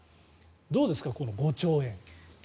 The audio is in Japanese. どうですか、この５兆円。